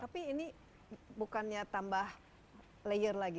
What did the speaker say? tapi ini bukannya tambah layer lagi